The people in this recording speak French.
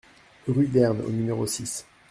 Rue d'Herne au numéro six